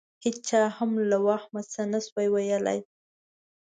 هېچا هم له وهمه څه نه شوای ویلای.